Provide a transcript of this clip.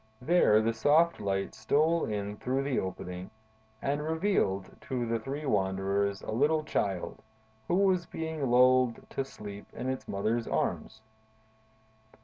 There, the soft light stole in through the opening and revealed to the three wanderers a little Child, who was being lulled to sleep in its mother's arms.